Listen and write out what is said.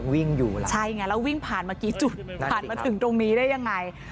วิ่งอยู่ล่ะใช่ไงแล้ววิ่งผ่านมากี่จุดผ่านมาถึงตรงนี้ได้ยังไง